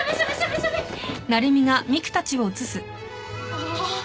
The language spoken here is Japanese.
ああ。